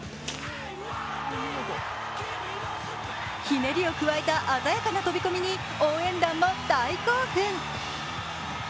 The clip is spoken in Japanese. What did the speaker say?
ひねりを加えた鮮やかな飛び込みに応援団も大興奮。